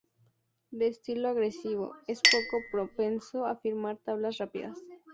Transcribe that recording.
De estilo agresivo, es poco propenso a firmar tablas rápidas.